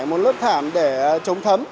bên dưới là chải một lớp thảm để chống thấm